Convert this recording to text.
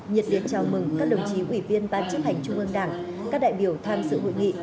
nhiệt biến chào mừng các đồng chí ủy viên bán chức hành trung ương đảng các đại biểu tham sự hội nghị